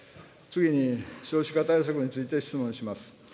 次に、少子化対策について質問します。